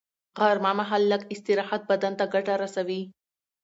غرمه مهال لږ استراحت بدن ته ګټه رسوي